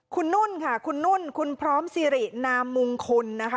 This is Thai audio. คุณนุ่นค่ะคุณนุ่นคุณพร้อมสิรินามมงคลนะคะ